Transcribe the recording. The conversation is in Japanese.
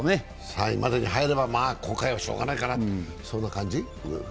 ３位までに入れば今回はしようがないなって感じ？